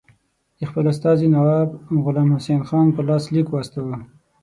د خپل استازي نواب غلام حسین خان په لاس لیک واستاوه.